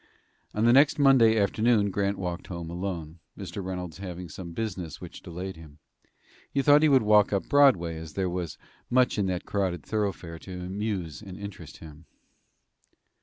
On the next Monday afternoon Grant walked home alone, Mr. Reynolds having some business which delayed him. He thought he would walk up Broadway, as there was much in that crowded thoroughfare to amuse and interest him.